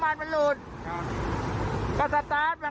เป็นรถบุรีต่อเนื่องที่เรื่องของไฟไหม้เลยนะคะเดี๋ยวพาไปที่รถบุรี